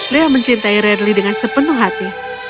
lea mencintai radly dengan sepenuh hati